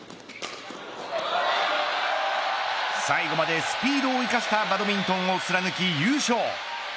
最後までスピードを生かしたバドミントンを貫き優勝。